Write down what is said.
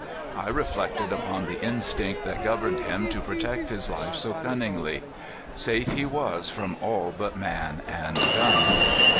I reflected upon the instinct that governed him to protect his life so cunningly. Safe he was from all but man and gun!